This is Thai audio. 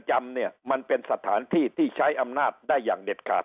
จำเนี่ยมันเป็นสถานที่ที่ใช้อำนาจได้อย่างเด็ดขาด